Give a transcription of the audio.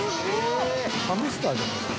ハムスターじゃん。